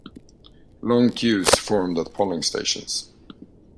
Long queues formed at polling stations.